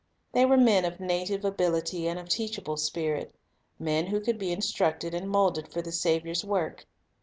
They were men of native ability and of teachable spirit; men who could be instructed and moulded for the Saviour's work.